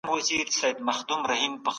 په غلا سره د کتاب تاریخ مه بدلوئ.